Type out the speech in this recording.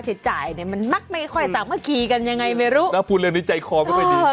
จ่ายเนี่ยมันมักไม่ค่อยสามัคคีกันยังไงไม่รู้แล้วพูดเรื่องนี้ใจคอไม่ค่อยดี